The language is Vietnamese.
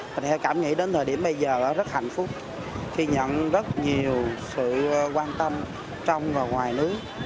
thì em cảm nghĩ đến thời điểm bây giờ rất hạnh phúc khi nhận rất nhiều sự quan tâm trong và ngoài nước